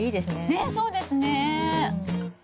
ねっそうですね。